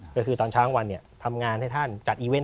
ก็คือตอนเช้าทั้งวันเนี่ยทำงานให้ท่านจัดอีเว้น